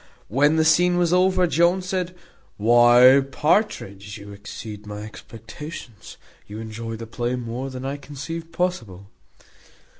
When the scene was over Jones said, "Why, Partridge, you exceed my expectations. You enjoy the play more than I conceived possible."